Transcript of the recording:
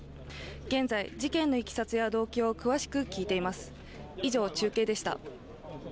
現在、事件のいきさつや動機を詳しく聞いています。